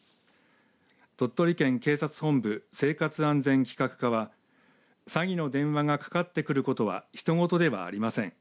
鳥取県警察本部生活安全企画課は詐欺の電話がかかってくることは他人事ではありません。